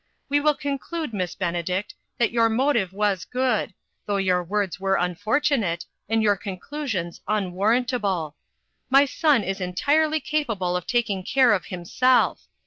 We will conclude, Miss Benedict, that your motive was good, though your words were unfortunate, and your conclusions unwarrantable. My son is entirely capable of taking care of himself.